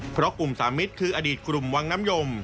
เพราะกลุ่มสามิตรคืออดีตกลุ่มวังน้ำยม